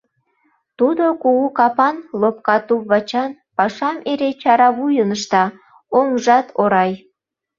Тудо кугу капан, лопка туп-вачан, пашам эре чара вуйын ышта, оҥжат орай.